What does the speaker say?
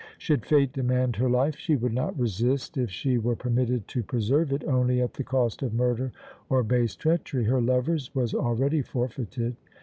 Should Fate demand her life, she would not resist if she were permitted to preserve it only at the cost of murder or base treachery. Her lover's was already forfeited.